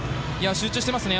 集中していますね